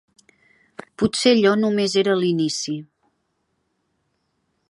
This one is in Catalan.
Potser allò només era l'inici.